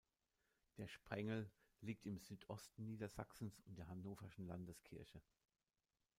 Der Sprengel liegt im Südosten Niedersachsens und der Hannoverschen Landeskirche.